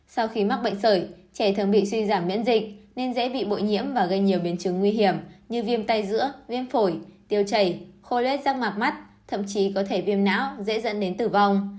sau khi mắc bệnh sởi trẻ thường bị suy giảm miễn dịch nên dễ bị bội nhiễm và gây nhiều biến chứng nguy hiểm như viêm tay giữa viêm phổi tiêu chảy khô lét rác mạc mắt thậm chí có thể viêm não dễ dẫn đến tử vong